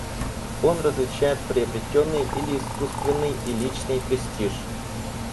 Он различает приобретенный или искусственный и личный престиж.